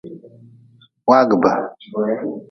Waagʼbe.